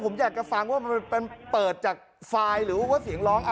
ผมอยากจะฟังว่ามันเปิดจากไฟล์หรือว่าเสียงร้อง